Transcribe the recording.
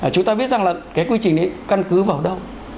chúng ta biết rằng là cái quy trình ấy căn cứ vào đâu